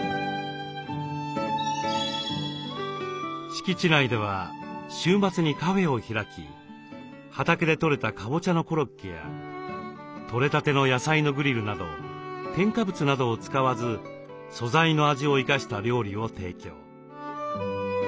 敷地内では週末にカフェを開き畑でとれたカボチャのコロッケやとれたての野菜のグリルなど添加物などを使わず素材の味を生かした料理を提供。